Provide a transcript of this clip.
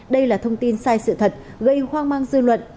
đây là thông tin sai sự thật gây hoang mang dư luận